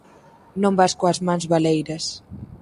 Non vas coas mans baleiras.